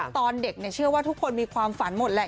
ตอนเด็กเชื่อว่าทุกคนมีความฝันหมดแหละ